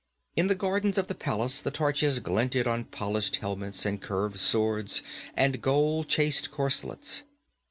In the gardens of the palace the torches glinted on polished helmets and curved swords and gold chased corselets.